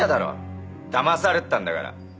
だまされてたんだから。